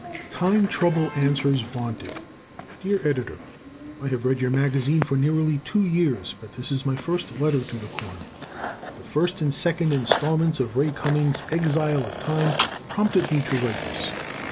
Time Trouble Answers Wanted Dear Editor: I have read your magazine for nearly two years, but this is my first letter to the "Corner." The first and second installments of Ray Cummings' "Exile of Time" prompted me to write this.